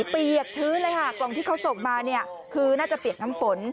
เปียกชื้นเลยค่ะกล่องที่เขาส่งมาเนี่ยคือน่าจะเปียกน้ำฝน